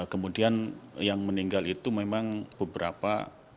kemudian yang meninggal itu memang beberapa